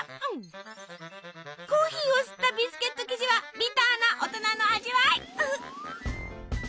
コーヒーを吸ったビスケット生地はビターな大人の味わい。